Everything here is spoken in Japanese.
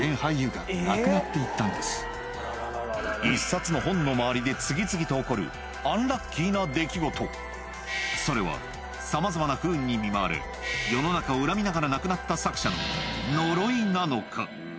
１冊の本のまわりで次々と起こるアンラッキーな出来事それはざまざまな不運に見舞われ世の中を恨みながら亡くなった作者の呪いなのか？